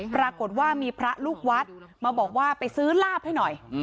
ปรากฏว่ามีพระลูกวัดมาบอกว่าไปซื้อลาบให้หน่อย